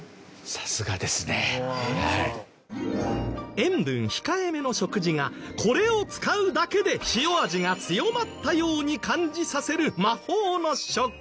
塩分控えめの食事がこれを使うだけで塩味が強まったように感じさせる魔法の食器。